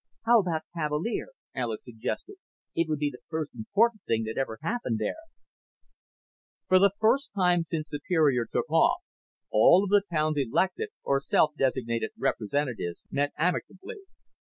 "How about Cavalier?" Alis suggested. "It would be the first important thing that ever happened there." For the first time since Superior took off, all of the town's elected or self designated representatives met amicably.